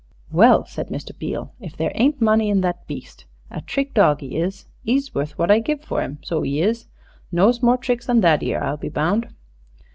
"Well," said Mr. Beale, "if there ain't money in that beast! A trick dog 'e is. 'E's wuth wot I give for 'im, so 'e is. Knows more tricks than that 'ere, I'll be bound."